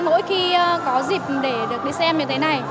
mỗi khi có dịp để được đi xem như thế này